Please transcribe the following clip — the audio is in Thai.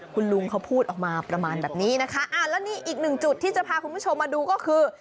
คุณลุงเขาพูดออกมาประมาณแบบนี้นะคะอ่าแล้วนี่อีกหนึ่งจุดที่จะพาคุณผู้ชมมาดูก็คือ